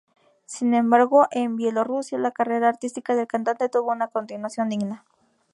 Sin embargo, en Bielorrusia la carrera artística del cantante tuvo una continuación digna.